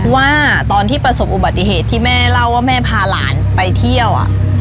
ว่าตอนที่ประสบอุบัติเหตุที่แม่เล่าว่าแม่พาหลานไปเที่ยว